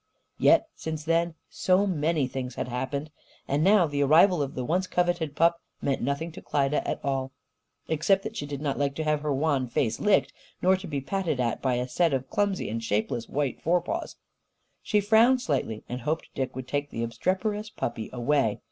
Yet, since then, so many things had happened! And now the arrival of the once coveted pup meant nothing to Klyda at all except that she did not like to have her wan face licked, nor to be patted at by a set of clumsy and shapeless white forepaws. She frowned slightly and hoped Dick would take the obstreperous puppy away.